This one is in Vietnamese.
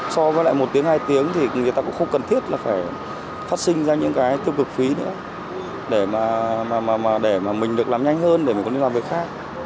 so với lại một tiếng hai tiếng thì người ta cũng không cần thiết là phải phát sinh ra những cái tiêu cực phí nữa để mà để mà mình được làm nhanh hơn để mình có đi làm việc khác